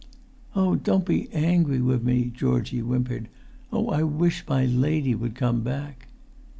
"Oh, don't be angry wif me," Georgie whimpered. "Oh, I wish my lady would come back!"